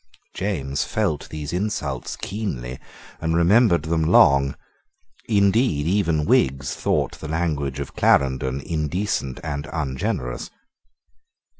James felt these insults keenly, and remembered them long. Indeed even Whigs thought the language of Clarendon indecent and ungenerous.